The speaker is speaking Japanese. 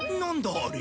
あれ。